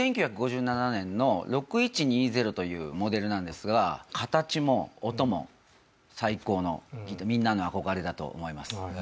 １９５７年の６１２０というモデルなんですが形も音も最高のみんなの憧れだと思います。